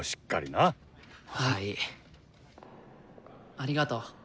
ありがとう。